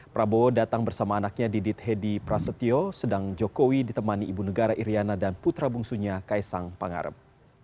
prabowo datang bersama anaknya didit hedi prasetyo sedang jokowi ditemani ibu negara iryana dan putra bungsunya kaisang pangarep